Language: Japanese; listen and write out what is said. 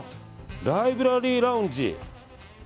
ライブラリーラウンジ。